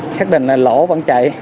xác định là lỗ vẫn chạy